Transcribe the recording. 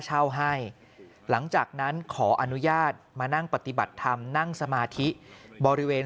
เช่าให้หลังจากนั้นขออนุญาตมานั่งปฏิบัติธรรมนั่งสมาธิบริเวณ